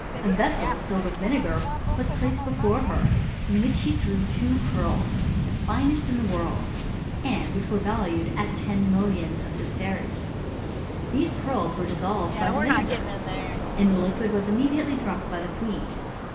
A Tessel tolled wnh Tinegmr was placed be fore ber« in which she threw two pearls, the finest in the world, and which were valued at ten millions of sistertii : these pearb were dissohred bv the vinegar,* and the liquid was immediatelT drunk by the queen.